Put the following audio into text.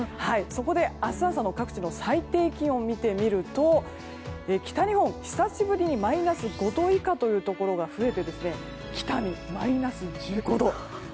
そこで、明日朝の各地の最低気温を見てみると北日本、久しぶりにマイナス５度以下というところが増えて北見はマイナス１５度。